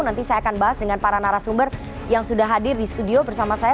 nanti saya akan bahas dengan para narasumber yang sudah hadir di studio bersama saya